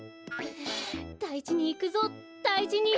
だいじにいくぞだいじに！